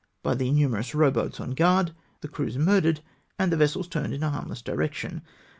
by the numerous row boats on guard,— the crews mur dered, — and the vessels turned in a harmless direction.